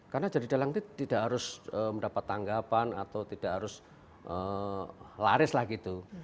karena jadi dalang itu tidak harus mendapat tanggapan atau tidak harus laris lah gitu